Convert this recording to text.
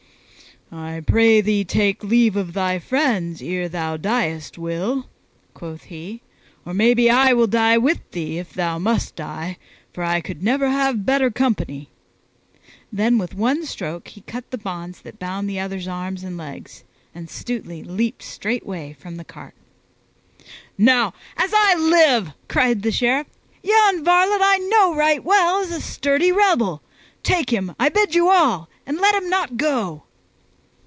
"I pray thee take leave of thy friends ere thou diest, Will," quoth he, "or maybe I will die with thee if thou must die, for I could never have better company." Then with one stroke he cut the bonds that bound the other's arms and legs, and Stutely leaped straightway from the cart. "Now as I live," cried the Sheriff, "yon varlet I know right well is a sturdy rebel! Take him, I bid you all, and let him not go!"